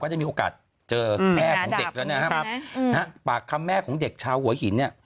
ก็ได้มีโอกาสเจอแม่ของเด็กแบบแหม่ของเด็กชาวหัวหินเนี่ย